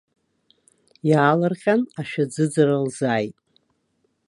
Иаалырҟьан ашәаӡыӡара лзааит.